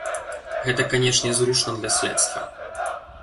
Гэта, канешне, зручна для следства.